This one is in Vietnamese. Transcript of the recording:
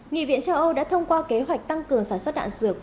nghị viện châu âu đã thông qua kế hoạch tăng cường sản xuất đạn dược